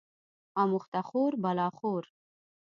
اموخته خور بلا خور